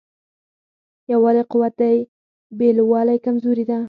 یووالی قوت دی بېلوالی کمزوري ده.